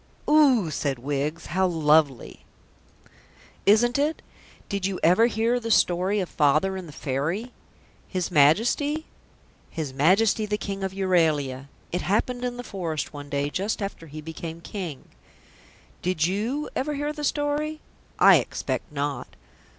"O oh!" said Wiggs. "How lovely!" "Isn't it? Did you ever hear the story of Father and the Fairy?" "His Majesty?" "His Majesty the King of Euralia. It happened in the forest one day just after he became King." Did you ever hear the story? I expect not.